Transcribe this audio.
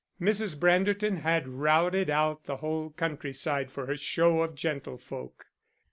Mrs. Branderton had routed out the whole countryside for her show of gentlefolk.